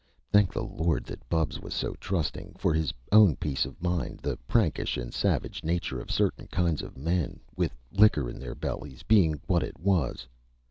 Thank the Lord that Bubs was so trusting, for his own peace of mind the prankish and savage nature of certain kinds of men, with liquor in their bellies, being what it was.